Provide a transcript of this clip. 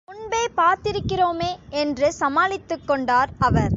முன்பே பார்த்திருக்கிறோமே என்று சமாளித்துக் கொண்டார் அவர்.